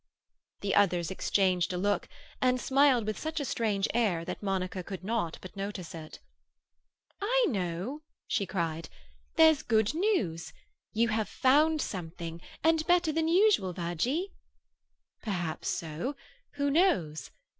The others exchanged a look, and smiled with such a strange air that Monica could not but notice it. "I know!" she cried. "There's good news. You have found something, and better than usual Virgie." "Perhaps so. Who knows?